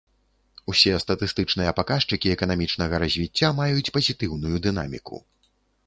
Усе статыстычныя паказчыкі эканамічнага развіцця маюць пазітыўную дынаміку.